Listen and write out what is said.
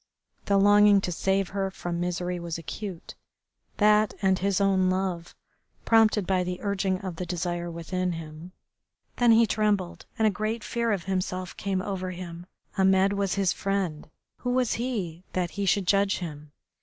The longing to save her from misery was acute, that, and his own love, prompted by the urging of the desire within him. Then he trembled, and a great fear of himself came over him. Ahmed was his friend. Who was he that he should judge him?